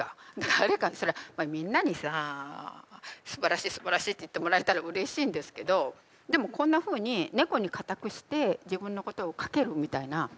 誰かにそれはみんなにさあすばらしいすばらしいって言ってもらえたらうれしいんですけどでもこんなふうに猫に仮託して自分のことを書けるみたいな。